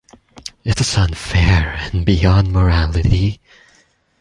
It’s unfair and beyond morality.